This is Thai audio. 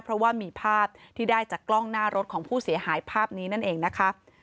เพราะว่ามีภาพที่ได้จากกล้องหน้ารถของผู้เสียหายภาพนี้นั่นเองนะคะ